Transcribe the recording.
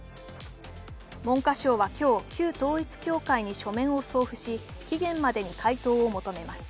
文科省は今日、旧統一教会に書面を送付し、期限までに回答を求めます。